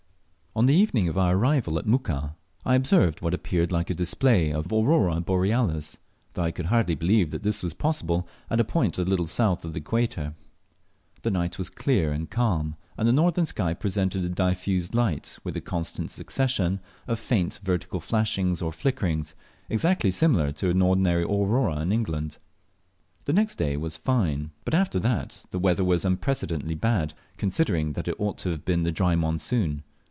On the evening of our arrival at Muka I observed what appeared like a display of Aurora Borealis, though I could hardly believe that this was possible at a point a little south of the equator. The night was clear and calm, and the northern sky presented a diffused light, with a constant succession of faint vertical flashings or flickerings, exactly similar to an ordinary aurora in England. The next day was fine, but after that the weather was unprecedentedly bad, considering that it ought to have been the dry monsoon.